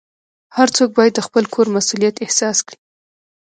هر څوک باید د خپل کور مسؤلیت احساس کړي.